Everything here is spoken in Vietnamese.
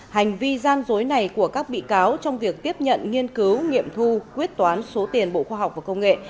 hành vi gian dối này của các bị cáo trong việc tiếp nhận nghiên cứu nghiệm thu quyết toán số tiền bộ khoa học và công nghệ